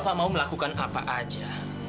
bapak mau melakukan apa aja